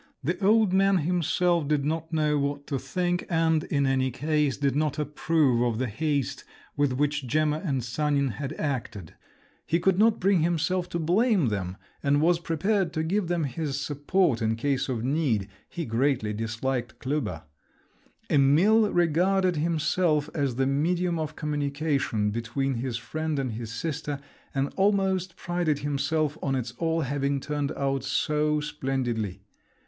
The old man himself did not know what to think, and in any case, did not approve of the haste with which Gemma and Sanin had acted; he could not bring himself to blame them, and was prepared to give them his support in case of need: he greatly disliked Klüber! Emil regarded himself as the medium of communication between his friend and his sister, and almost prided himself on its all having turned out so splendidly!